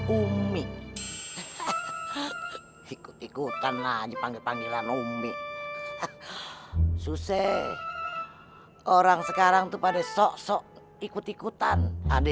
umi ikutan lagi panggilan umbi susah orang sekarang tuh pada sok sok ikut ikutan ada